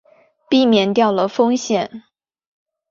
避免掉了风险